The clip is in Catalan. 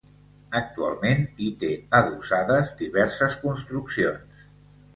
Actualment hi té adossades diverses construccions.